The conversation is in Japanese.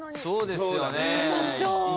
そうですよね。